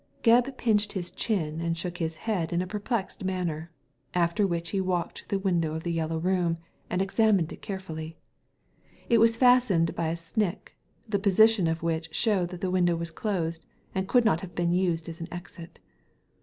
Gebb pinched his chin and shook his head in a perplexed manner; after which he walked to the window of the yellow room and examined it carefully. It was fastened by a snick, the position of which showed that the window was closed, and could not have been used as an exit.